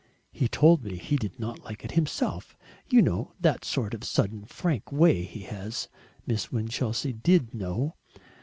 "He told me he did not like it himself you know that sort of sudden frank way he has" Miss Winchelsea did know.